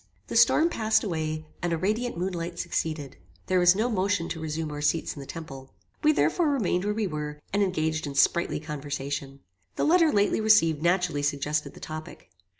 The storm passed away, and a radiant moon light succeeded. There was no motion to resume our seats in the temple. We therefore remained where we were, and engaged in sprightly conversation. The letter lately received naturally suggested the topic.